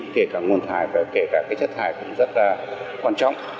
kể cả nguồn thải và kể cả chất thải cũng rất là quan trọng